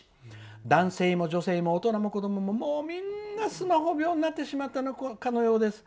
男性も女性も大人も子どももみんなスマホ病になってしまったのかのようです。